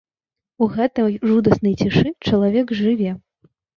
У гэтай жудаснай цішы чалавек жыве!